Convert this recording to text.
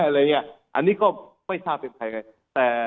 อะไรแบบนี้เข้าก็ไม่ชาวเป็นใคร